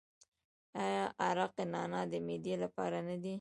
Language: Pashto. آیا عرق نعنا د معدې لپاره نه دی؟